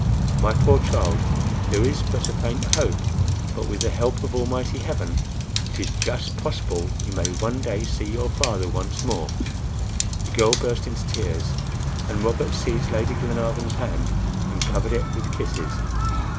"My poor child, there is but a faint hope; but with the help of almighty Heaven it is just possible you may one day see your father once more." The girl burst into tears, and Robert seized Lady Glenarvan's hand and covered it with kisses.